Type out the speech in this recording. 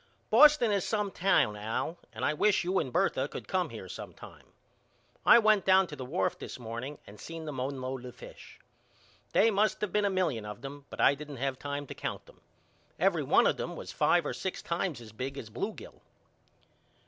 Boston is some town, Al, and I wish you and Bertha could come here sometime. I went down to the wharf this morning and seen then unload the fish. They must of been a million of them but I didn't have time to count them. Every one of them was five or six times as big as blue gill.